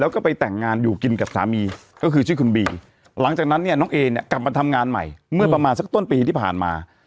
แล้วก็ไปแต่งงานอยู่กินกับสามีก็คือชื่อคุณบีหลังจากนั้นเนี่ยน้องเอเนี่ยกลับมาทำงานใหม่เมื่อประมาณสักต้นปีที่ผ่านมา